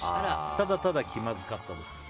ただただ気まずかったです。